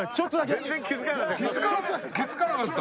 全然気付かなかった。